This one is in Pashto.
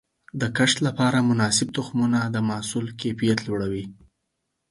د کښت لپاره مناسب تخمونه د محصول کیفیت لوړوي.